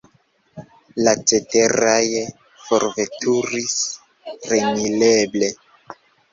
La ceteraj forveturis remileble.